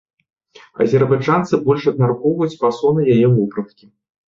Азербайджанцы больш абмяркоўваюць фасоны яе вопраткі.